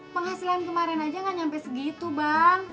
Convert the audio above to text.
penghasilan kemarin aja gak nyampe segitu bang